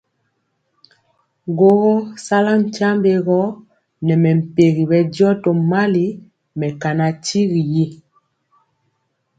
Ŋgɔɔgɔ sala tyiambe gɔ nɛ mɛmpegi bɛndiɔ tomali mɛkana tyigui y.